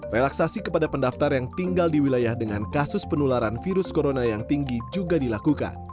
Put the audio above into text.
relaksasi kepada pendaftar yang tinggal di wilayah dengan kasus penularan virus corona yang tinggi juga dilakukan